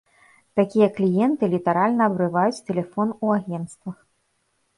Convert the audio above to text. Такія кліенты літаральна абрываюць тэлефон у агенцтвах.